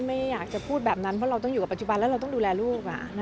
ไม่อยากจะพูดแบบนั้นเพราะเราต้องอยู่กับปัจจุบันแล้วเราต้องดูแลลูก